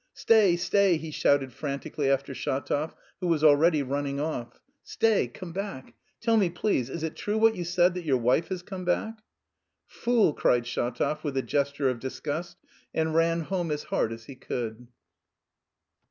"Stay, stay!" he shouted frantically after Shatov, who was already running off. "Stay, come back. Tell me please, is it true what you said that your wife has come back?" "Fool!" cried Shatov, with a gesture of disgust, and ran home as hard as he could.